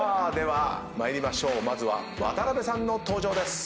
まずは渡辺さんの登場です。